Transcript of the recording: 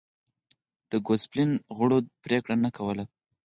د ګوسپلین غړو پرېکړه نه کوله